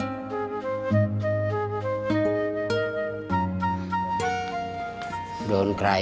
sampai jumpa lagi